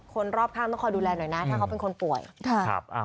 คนรอบข้างต้องคอยดูแลหน่อยนะถ้าเขาเป็นคนป่วย